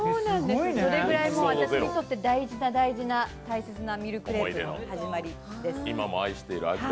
それくらい私にとって大事な大事な大切なミルクレープの始まりです。